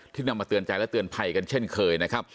นำมาเตือนใจและเตือนภัยกันเช่นเคยนะครับ